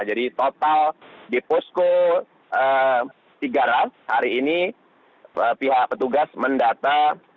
jadi total di gipusko tiga hari ini pihak petugas mendata satu ratus delapan puluh sembilan